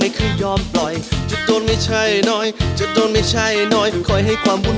อยากใกล้อยากใกล้ไปและไปให้ไกลใกล้